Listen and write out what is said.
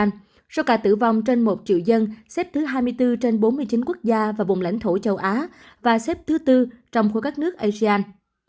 trong số ca tử vong trên một triệu dân xếp thứ hai mươi bốn trên bốn mươi chín quốc gia và vùng lãnh thổ châu á và xếp thứ tư trong khối các nước asean